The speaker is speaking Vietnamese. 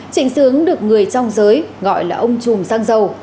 trịnh sướng được người trong giới gọi là ông chùm xăng dầu